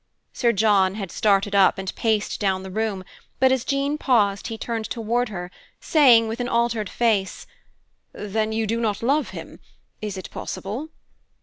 Sir John had started up and paced down the room, but as Jean paused he turned toward her, saying, with an altered face, "Then you do not love him? Is it possible?"